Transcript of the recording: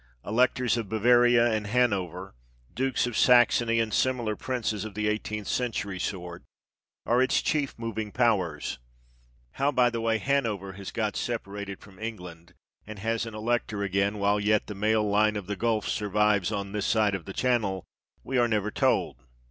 Electors of Bavaria and Hanover, Dukes of Saxony, and similar princes of the eighteenth century sort, are its chief moving powers. How, by the way, Hanover has got separated from England, and has an elector again, while yet the male line of the Guelfs survives on this side of the Channel, we are never told.